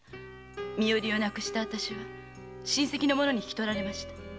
身寄りを亡くしたあたしは親戚の者に引き取られました。